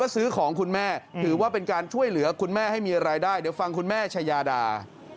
ถือว่าเป็นการช่วยเหลือคุณแม่ให้มีอะไรได้เดี๋ยวฟังคุณแม่ชายาดา